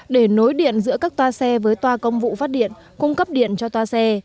để nối điện giữa các toa xe với toa công vụ phát điện cung cấp điện cho toa xe